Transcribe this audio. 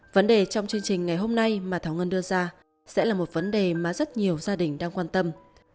vấn đề trong chương trình ngày hôm nay mà thảo ngân đưa ra sẽ là một vấn đề mà rất nhiều gia đình đang quan tâm